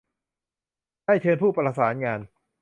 ได้เชิญผู้ประสานงาน